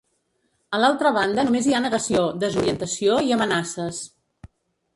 A l’altra banda només hi ha negació, desorientació i amenaces.